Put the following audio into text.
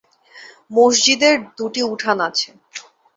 মসজিদের দুটি উঠান আছে।